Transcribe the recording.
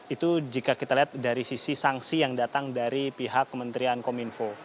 itu jika kita lihat dari sisi sanksi yang datang dari pihak kementerian kominfo